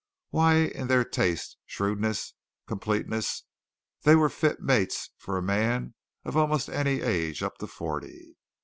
Why, in their taste, shrewdness, completeness, they were fit mates for a man of almost any age up to forty!